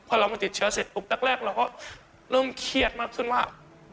พอเรามาติดเชื้อเสร็จปุ๊บแรกเราก็เริ่มเครียดมากขึ้นว่า